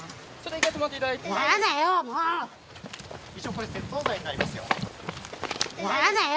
これ窃盗罪になりますよ。